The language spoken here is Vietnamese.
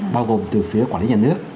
bao gồm từ phía quản lý nhà nước